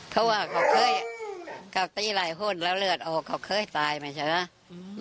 เพราะว่าเขาเคยกลับตีหลายคนแล้วเลือดออกเขาเคยตายมาใช่ไหม